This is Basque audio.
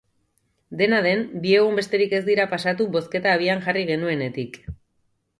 Dena den, bi egun besterik ez dira pasatu bozketa abian jarri genuenetik.